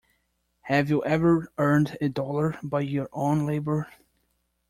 Have you ever earned a dollar by your own labour.